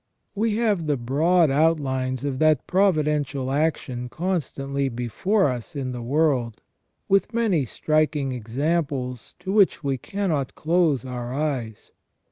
We have the broad outlines of that providential action constantly before us in the world, with many striking examples to which we cannot close our eyes.